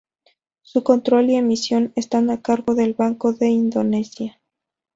Su control y emisión están a cargo del Banco de Indonesia.